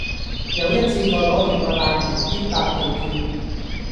有一次我攞住個大皮喼搭地鐵